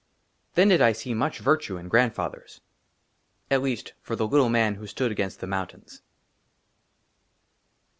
THEN DID I SEE MUCH VIRTUE IN GRAND FATHERS, AT LEAST, FOR THE LITTLE MAN WHO STOOD AGAINST THE MOUNTAINS.